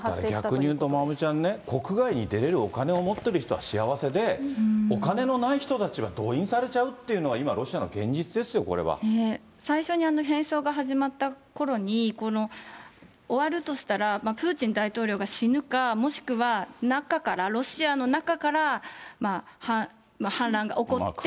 逆に言うと、まおみちゃんね、国外に出るお金を持っている人は幸せで、お金のない人たちは動員されちゃうっていうのが今、ロシアの現実ですよ、最初に戦争が始まったころに、終わるとしたらプーチン大統領が死ぬか、もしくは中から、ロシアの中から反乱が起こって。